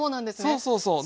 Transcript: そうそうそう。